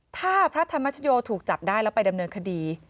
ถ้าพระธรรมชโยถูกจับได้แล้วไปดำเนินคดี